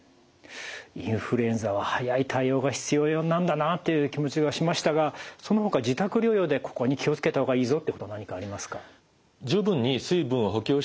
インフルエンザは早い対応が必要なんだなという気持ちがしましたがそのほか自宅療養でここに気を付けた方がいいぞってこと何かありますか？